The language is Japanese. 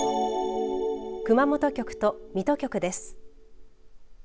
熊本局と水戸局です。